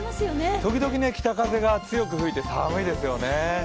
時々北風が強く吹いて寒いですよね。